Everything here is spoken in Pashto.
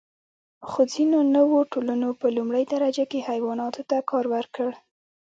خو ځینو نوو ټولنو په لومړۍ درجه کې حیواناتو ته کار ورکړ.